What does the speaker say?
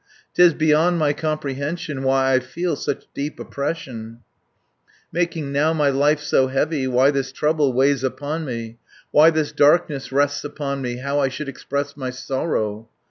'Tis beyond my comprehension Why I feel such deep oppression, Making now my life so heavy, Why this trouble weighs upon me, 400 Why this darkness rests upon me; How I should express my sorrow.